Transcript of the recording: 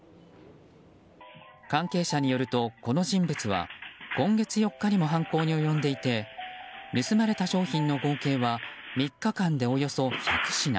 関係者によると、この人物は今月４日にも犯行に及んでいて盗まれた商品の合計は３日間でおよそ１００品